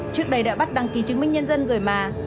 trước đây đã bắt đăng ký chứng minh nhân dân rồi mà